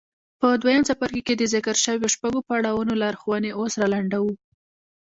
په دويم څپرکي کې د ذکر شويو شپږو پړاوونو لارښوونې اوس را لنډوو.